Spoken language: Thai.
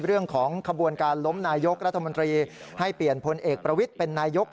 ขบวนการล้มนายกรัฐมนตรีให้เปลี่ยนพลเอกประวิทย์เป็นนายก